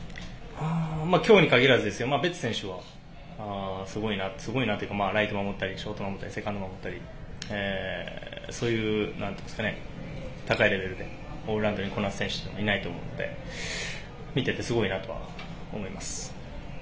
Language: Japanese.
今日に限らずベッツ選手はすごいなというかライトを守ったりショートを守ったりセカンドを守ったりそういう高いレベルでオールラウンドにこなせる選手っていないと思うので見ていてすごいなとは思います。